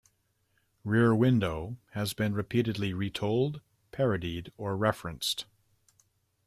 "Rear Window" has been repeatedly re-told, parodied, or referenced.